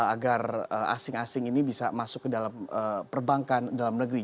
agar asing asing ini bisa masuk ke dalam perbankan dalam negeri